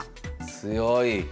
強い！